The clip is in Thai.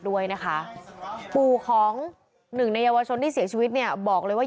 ด้วยนะคะปู่ของหนึ่งในเยาวชนที่เสียชีวิตเนี่ยบอกเลยว่า